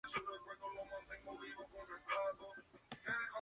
Ha seguido grabando hasta los años noventa.